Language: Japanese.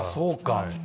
そうか。